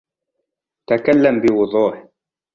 تكلم بوضوح.